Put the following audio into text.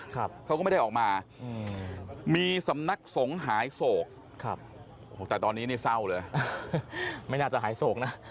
เขาก็ไม่ได้ออกมาอืมมีสำนักสงฆ์หายโศกครับโอ้โหแต่ตอนนี้นี่เศร้าเลยไม่น่าจะหายโศกนะ